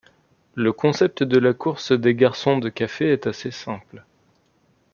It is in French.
Le concept de la course des garçons de café est assez simple.